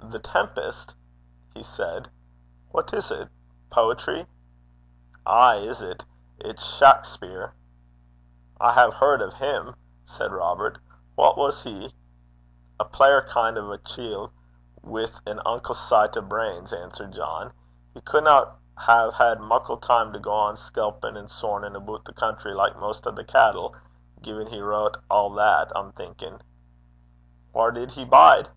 'The Tempest?' he said. 'What is 't? Poetry?' 'Ay is 't. It's Shackspear.' 'I hae heard o' him,' said Robert. 'What was he?' 'A player kin' o' a chiel', wi' an unco sicht o' brains,' answered John. 'He cudna hae had muckle time to gang skelpin' and sornin' aboot the country like maist o' thae cattle, gin he vrote a' that, I'm thinkin'.' 'Whaur did he bide?'